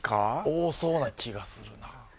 多そうな気がするな。